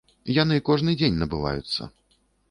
Яны кожны дзень набываюцца.